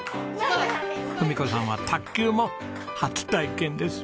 文子さんは卓球も初体験です。